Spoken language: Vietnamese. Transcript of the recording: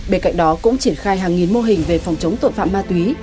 bên cạnh đó cũng triển khai hàng nghìn mô hình về phòng chống tội phạm ma túy